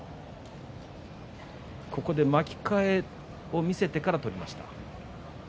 巻き替えを見せてから取りました。